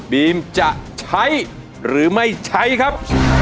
ีมจะใช้หรือไม่ใช้ครับ